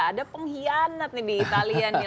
ada pengkhianat nih di italia nih